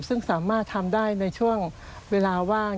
ซึ่งสามารถทำได้ในช่วงเวลาว่าง